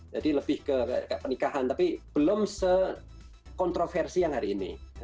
jadi lebih ke pernikahan tapi belum sekontroversi yang hari ini